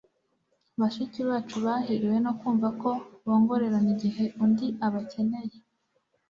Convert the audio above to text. bashiki bacu bahiriwe no kumva ko bongorerana igihe undi abakeneye